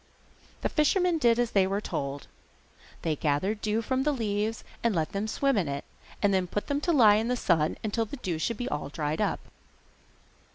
The fisherman did as they told him gathered the dew from the leaves and let them swim in it, then put them to lie in the sun till the dew should be all dried up.